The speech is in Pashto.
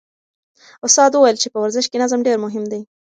استاد وویل چې په ورزش کې نظم ډېر مهم دی.